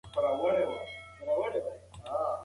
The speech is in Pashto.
ملایکې له هغه چا څخه خوشحاله کېږي چې مسواک وهي.